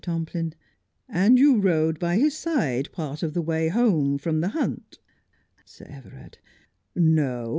Tomplin : And you rode by his side part of the way home from the hunt 1 Sir Everard : No.